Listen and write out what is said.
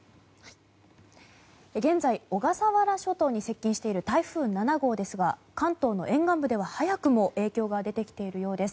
現在、小笠原諸島に接近している台風７号ですが関東の沿岸部では早くも影響が出てきているようです。